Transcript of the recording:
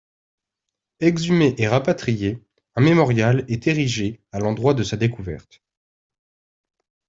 Exhumé et rapatrié, un mémorial est érigé à l'endroit de sa découverte.